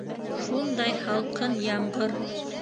Шундай һалҡын ямғыр.